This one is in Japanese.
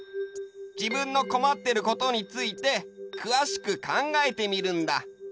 自分のこまってることについてくわしく考えてみるんだ。